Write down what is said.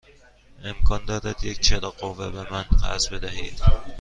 امکان دارد یک چراغ قوه به من قرض بدهید؟